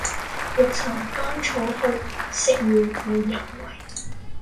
欲尋芳草去，惜與故人違。